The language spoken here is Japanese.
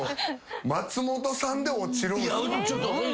松本さんで落ちる。